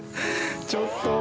ちょっと。